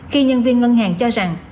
khi nhân viên ngân hàng cho rằng